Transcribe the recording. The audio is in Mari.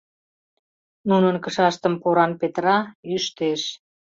Нунын кышаштым поран петыра, ӱштеш.